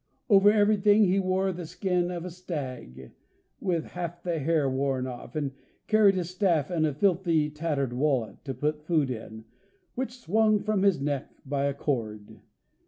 Over everything he wore the skin of a stag, with half the hair worn off, and he carried a staff, and a filthy tattered wallet, to put food in, which swung from his neck by a cord.